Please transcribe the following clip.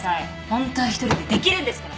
ホントは一人でできるんですから！